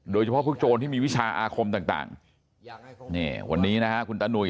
โดยเฉพาะพวกโจรที่มีวิชาอาคมต่างวันนี้นะครับคุณตานุย